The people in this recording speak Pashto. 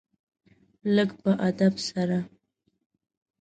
لږ په ادب سره .